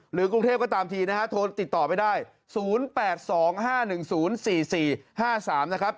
กรุงเทพก็ตามทีนะฮะโทรติดต่อไปได้๐๘๒๕๑๐๔๔๕๓นะครับ